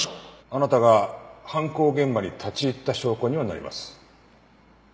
あなたが犯行現場に立ち入った証拠にはなります。